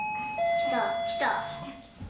来た、来た。